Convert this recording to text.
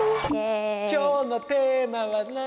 「今日のテーマは何かな」